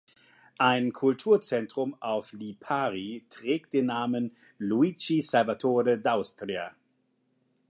Ein Kulturzentrum auf Lipari trägt den Namen "Luigi Salvatore d’Austria".